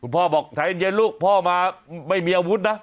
พ่อบอกใจเย็นลูกพ่อมาไม่มีอาวุธนะ